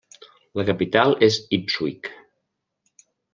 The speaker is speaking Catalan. La capital és Ipswich.